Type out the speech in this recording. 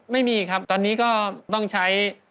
ไม่มีครับตอนนี้ก็ต้องใช้